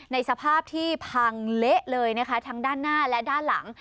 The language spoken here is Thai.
ในสภาพที่พังเละเลยนะคะทั้งด้านหน้าและด้านหลัง